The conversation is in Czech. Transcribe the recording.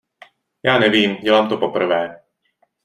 Já nevím, dělám to poprvé.